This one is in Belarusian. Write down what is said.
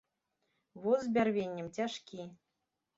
Воз з бярвеннем цяжкі.